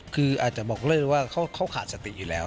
คืออาจจะบอกเลิกว่าเขาขาดสติอยู่แล้ว